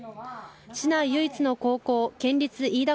市内唯一の高校、県立飯田